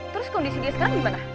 terus kondisi dia sekarang gimana